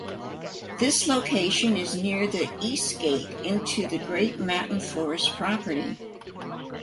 This location is near the "east gate" into the Great Mountain Forest property.